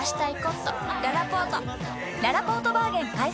ららぽーとバーゲン開催！